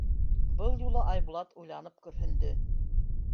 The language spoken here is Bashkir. Был юлы Айбулат уйланып көрһөндө.